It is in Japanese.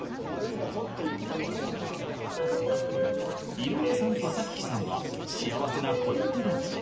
井上さんと咲妃さんは幸せな恋人同士。